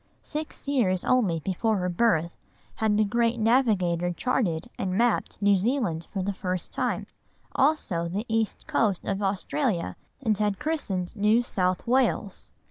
Six years only before her birth had the great navigator charted and mapped New Zealand for the first time, also the east coast of Australia, and had christened New South Wales.